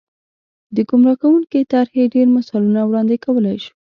د ګمراه کوونکې طرحې ډېر مثالونه وړاندې کولای شو.